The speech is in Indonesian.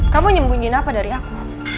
kamu nyembunyiin apa dari aku